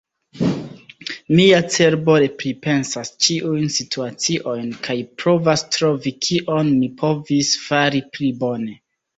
Mia cerbo repripensas ĉiujn situaciojn, kaj provas trovi kion mi povis fari pli bone.